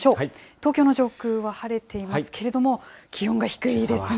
東京の上空は晴れていますけれども、気温が低いですね。